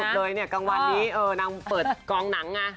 ล่าสุดเลยกลางวันนี้เออนางเปิดกองหนัง